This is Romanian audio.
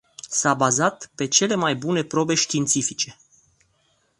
S-a bazat pe cele mai bune probe științifice.